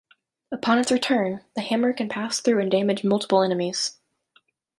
Upon its return, the hammer can pass through and damage multiple enemies.